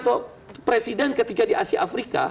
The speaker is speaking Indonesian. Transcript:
pindah kok presiden ketika di asia afrika